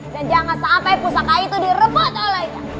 dan jangan sampai pusaka itu direbut olehnya